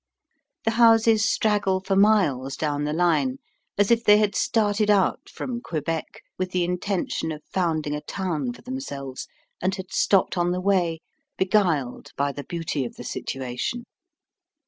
The houses straggle for miles down the line, as if they had started out from Quebec with the intention of founding a town for themselves, and had stopped on the way, beguiled by the beauty of the situation.